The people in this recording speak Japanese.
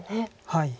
はい。